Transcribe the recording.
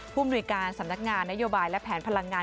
มนุยการสำนักงานนโยบายและแผนพลังงาน